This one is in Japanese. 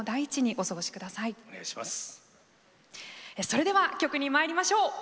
それでは曲にまいりましょう。